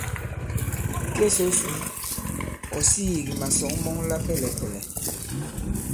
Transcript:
Ke so su , ɔ̀ sīī kì màsɔ̌ŋ mɔŋ la pɛlɛ̀pɛ̀lɛ̀.